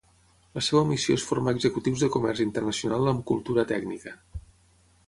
La seva missió és formar executius de comerç internacional amb cultura tècnica.